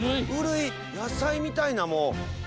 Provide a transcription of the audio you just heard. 野菜みたいなもう。